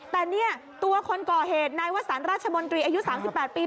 แต่เนี่ยตัวคนก่อเหตุนายวสันราชมนตรีอายุ๓๘ปี